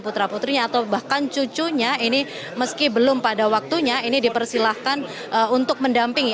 putra putrinya atau bahkan cucunya ini meski belum pada waktunya ini dipersilahkan untuk mendampingi